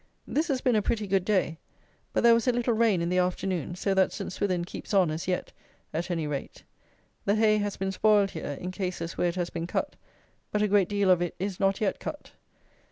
This has been a pretty good day; but there was a little rain in the afternoon; so that St. Swithin keeps on as yet, at any rate. The hay has been spoiled here, in cases where it has been cut; but a great deal of it is not yet cut.